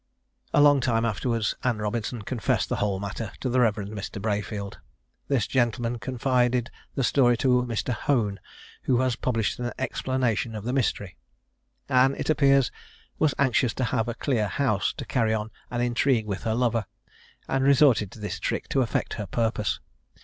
A long time afterwards, Anne Robinson confessed the whole matter to the Rev. Mr. Brayfield. This gentleman confided the story to Mr. Hone, who has published an explanation of the mystery. Anne, it appears, was anxious to have a clear house, to carry on an intrigue with her lover, and resorted to this trick to effect her purpose.